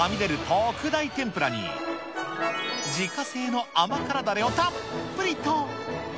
特大天ぷらに、自家製の甘辛だれをたっぷりと。